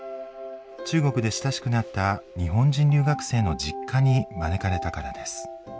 中国で親しくなった日本人留学生の実家に招かれたからです。